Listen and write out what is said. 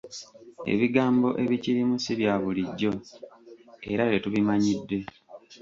Ebigambo ebikirimu si bya bulijjo era tetubimanyidde.